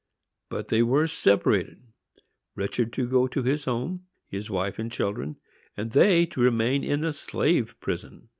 But they were separated,—Richard to go to his home, his wife and children, and they to remain in the slave prison.